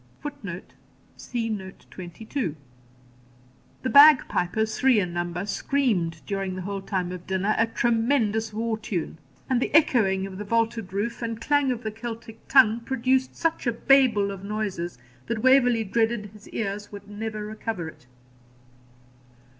[Footnote: See Note 22.] The bag pipers, three in number, screamed, during the whole time of dinner, a tremendous war tune; and the echoing of the vaulted roof, and clang of the Celtic tongue, produced such a Babel of noises that Waverley dreaded his ears would never recover it.